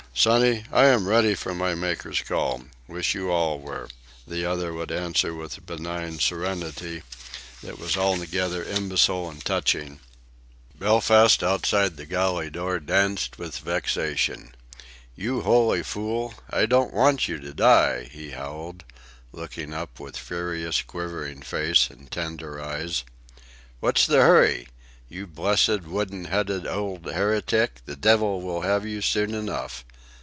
sonny, I am ready for my Maker's call... wish you all were," the other would answer with a benign serenity that was altogether imbecile and touching. Belfast outside the galley door danced with vexation. "You holy fool! I don't want you to die," he howled, looking up with furious, quivering face and tender eyes. "What's the hurry? You blessed wooden headed ould heretic, the divvle will have you soon enough.